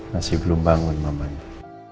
masih belum bangun mamanya